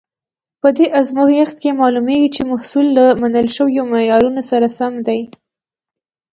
په دې ازمېښت کې معلومیږي چې محصول له منل شویو معیارونو سره سم دی.